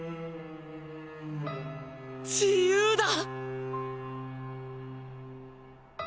自由だ。